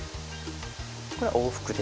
これは往復で。